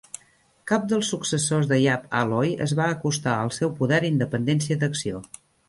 Cap dels successors de Yap Ah Loy es va acostar al seu poder i independència d'acció.